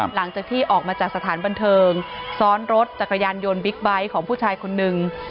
หลังจากที่ออกมาจากสถานบันเทิงซ้อนรถจักรยานยนต์บิ๊กไบท์ของผู้ชายคนนึง